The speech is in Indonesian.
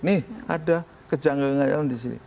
nih ada kejanggaan kegagalan di sini